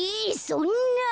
そんな。